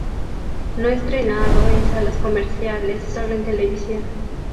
No estrenado en salas comerciales, sólo en televisión.